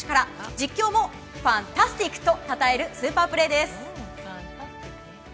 実況もファンタスティック！とたたえる、スーパープレーです。